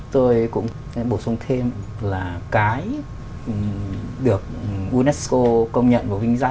tôi cũng bổ sung thêm là cái được unesco công nhận